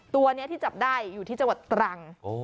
ตัวนี้ที่จับได้อยู่ที่จังหวัดตรัง